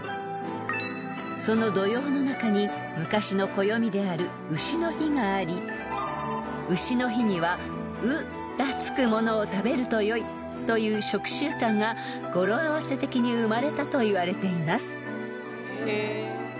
［その土用の中に昔の暦である丑の日があり丑の日には「う」が付くものを食べると良いという食習慣が語呂合わせ的に生まれたといわれています］